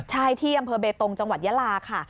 ใช่ที่อำเภอเบตงจังหวัดยาลาค่ะ